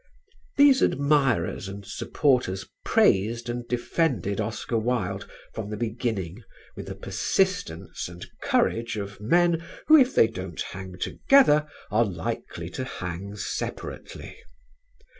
These admirers and supporters praised and defended Oscar Wilde from the beginning with the persistence and courage of men who if they don't hang together are likely to hang separately.